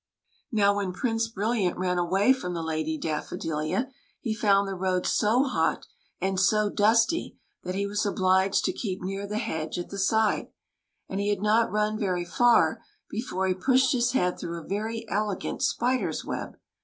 ^ Now, when Prince Brilliant ran away from the Lady Daffodilia he found the road so hot and so dusty that he was obliged to keep near the hedge at the side ; and he had not run very far before he pushed his head through a very elegant spider's web.